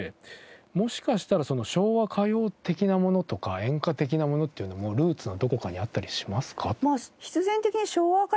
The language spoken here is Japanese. もしかしたら昭和歌謡的なものとか演歌的なものっていうのもルーツのどこかにあったりしますか？